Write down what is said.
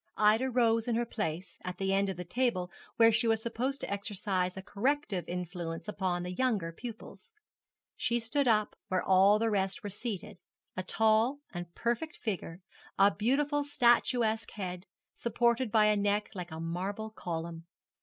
Ida rose in her place, at that end of the table where she was supposed to exercise a corrective influence upon the younger pupils. She stood up where all the rest were seated, a tall and perfect figure, a beautiful statuesque head, supported by a neck like a marble column.